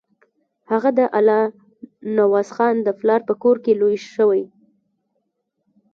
هغه د الله نوازخان د پلار په کور کې لوی شوی.